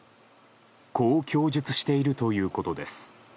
こう供述しているということです。